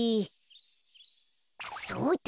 そうだ！